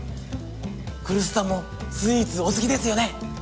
来栖さんもスイーツお好きですよね？